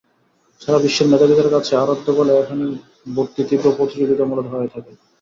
সারা বিশ্বের মেধাবীদের কাছে আরাধ্য বলে এখানে ভর্তি তীব্র প্রতিযোগিতামূলক হয়ে থাকে।